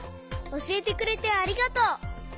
おしえてくれてありがとう！